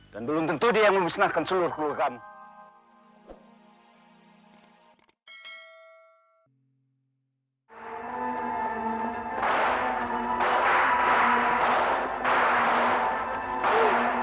dan belum tentu dia yang memisnahkan seluruh keluarga kamu